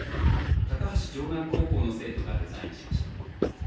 高梁城南高校の生徒がデザインしました。